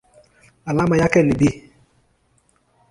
Alama yake ni Be.